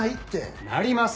なります！